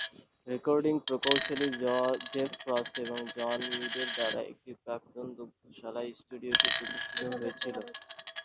Recording প্রকৌশলী Jeff Frost এবং John উডের দ্বারা একটি প্রাক্তন দুগ্ধশালায় স্টুডিওটি প্রতিষ্ঠিত হয়েছিল।